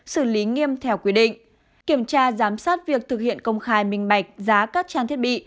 xử lý nghiêm theo quy định kiểm tra giám sát việc thực hiện công khai minh bạch giá các trang thiết bị